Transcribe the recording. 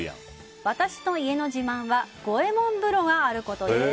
私の家の自慢は五右衛門風呂があることです。